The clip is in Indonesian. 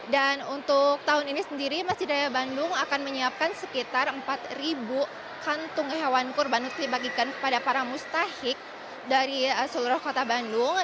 dan untuk tahun ini sendiri masjid raya bandung akan menyiapkan sekitar empat kantung hewan kurban terbagikan kepada para mustahik dari seluruh kota bandung